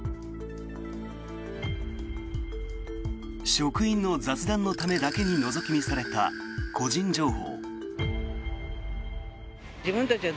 職員の雑談のためだけにのぞき見された個人情報。